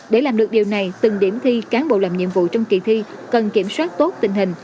để làm được điều này từng điểm thi cán bộ làm nhiệm vụ trong kỳ thi cần kiểm soát tốt tình hình